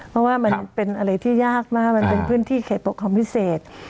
เพราะว่ามันเป็นอะไรที่ยากมากมันเป็นพื้นที่เขตปกครองพิเศษ